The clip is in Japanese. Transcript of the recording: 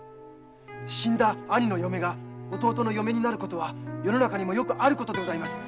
死んだ兄の嫁が弟の嫁になるのは世の中にもよくあることです。